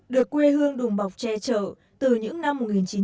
được quê hương đùng bọc che trợ từ những năm một nghìn chín trăm hai mươi sáu